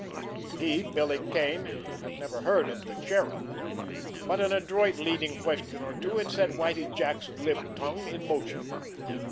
He, Billy Kane, had never heard of the Cherub, but an adroit leading question or two had set Whitie Jack's glib tongue in motion.